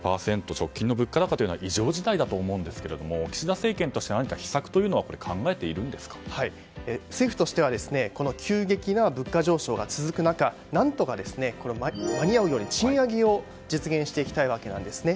直近の物価高というのは異常事態だと思うんですが岸田政権としては何か政府としては急激な物価上昇が続く中何とか間に合うように、賃上げを実現していきたいわけなんですね。